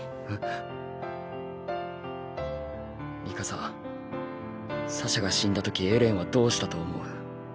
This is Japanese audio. ミカササシャが死んだ時エレンはどうしたと思う？